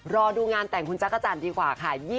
รอดูงานแต่งคุณจักรจันทร์ดีกว่าค่ะ